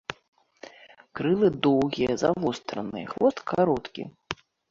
Крылы доўгія, завостраныя, хвост кароткі.